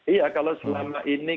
iya kalau selama ini